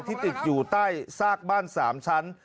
ติดอยู่ใต้ซากบ้าน๓ชั้น